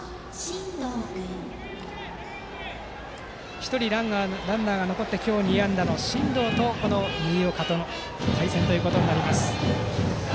１人ランナーが残って今日２安打の真藤と新岡の対戦となります。